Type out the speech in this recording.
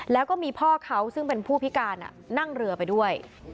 แล้วก็มีพ่อเขาซึ่งเป็นผู้พิการนั่งเรือไปด้วย